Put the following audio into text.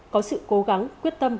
có sự cố gắng quyết tâm